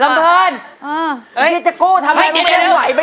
ลำเฟินพี่จะกูทำอะไรมันไม่ได้ไหวไปเนี่ย